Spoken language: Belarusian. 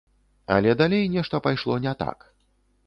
Але далей нешта пайшло не так.